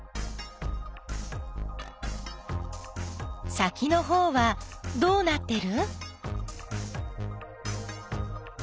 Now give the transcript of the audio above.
先のほうはどうなってる？